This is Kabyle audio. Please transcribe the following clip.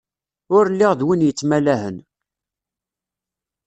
Ur lliɣ d win yettmalahen.